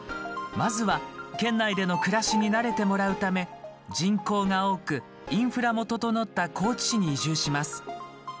まずは、県内での暮らしに慣れてもらうため人口が多く、インフラも整った高知市に移住します。